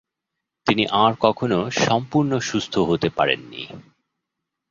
তিনি আর কখনো সম্পূর্ণ সুস্থ হতে পারেন নি।